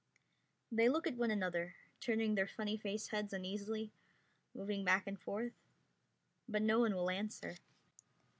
They look at one another, turning their funny face heads uneasily, moving back and forth, but no one will answer.